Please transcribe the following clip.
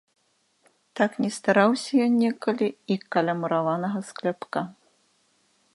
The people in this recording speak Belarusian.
Так не стараўся ён некалі і каля мураванага скляпка.